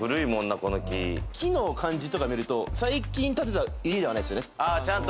木の感じとか見ると最近建てた家ではないですよね。